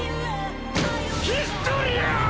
ヒストリアアア！！！